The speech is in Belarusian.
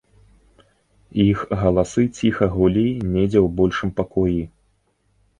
Іх галасы ціха гулі недзе ў большым пакоі.